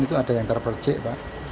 itu ada yang terpercik pak